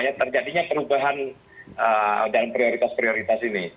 ya terjadinya perubahan dalam prioritas prioritas ini